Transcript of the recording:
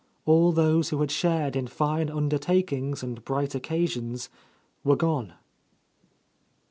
All those who had shared in fine undertak ings and bright occasions were gone.